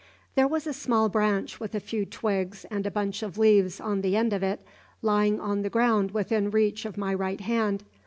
"There was a small branch, with a few twigs and a bunch of leaves on the end of it, lying on the ground within reach of my right hand.